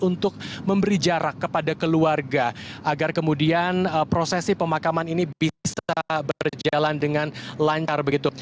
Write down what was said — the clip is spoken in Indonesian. untuk memberi jarak kepada keluarga agar kemudian prosesi pemakaman ini bisa berjalan dengan lancar begitu